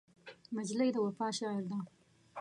نجلۍ د وفا شعر ده.